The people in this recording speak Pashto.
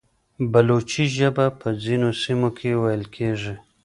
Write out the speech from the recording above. بلوچي ژبه په ځینو سیمو کې ویل کېږي.